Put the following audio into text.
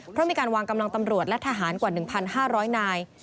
เพราะมีการวางกำลังตำรวจและทหารกว่า๑๕๐๐นาย